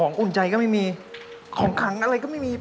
นี่ถ้าเกิดมึงไปคอของขางภูโดมมาเนี่ย